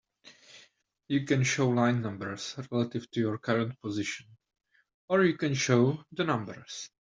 You can show line numbers relative to your current position, or you can show the numbers.